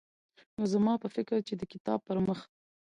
نو زما په فکر چې د کتاب پرمخ